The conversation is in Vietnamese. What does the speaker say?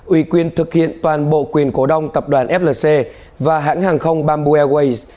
ủy quyền thực hiện toàn bộ quyền cổ đông tập đoàn flc và hãng hàng không bamboo airways